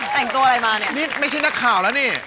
แต่งตัวอะไรมาเนี่ยนี่ไม่ใช่นักข่าวแล้วนี่